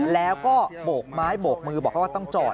แล้วก็โบกไม้โบกมือบอกเขาว่าต้องจอด